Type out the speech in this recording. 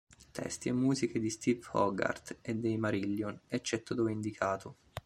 Testi e musiche di Steve Hogarth e dei Marillion, eccetto dove indicato.